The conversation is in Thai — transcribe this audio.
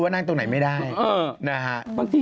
นั่งต่อแบบนี้